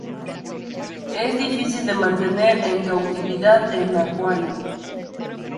Es difícil de mantener en cautividad en acuario.